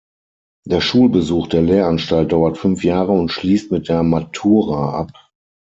Der Schulbesuch der Lehranstalt dauert fünf Jahre und schließt mit der Matura ab.